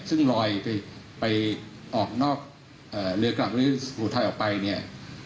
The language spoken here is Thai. ซึ่งรอยไปออกนอกเรือกลังคนเรือสัตว์ไทยออกไปเนี่ย